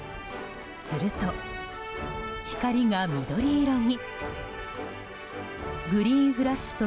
すると、光が緑色に。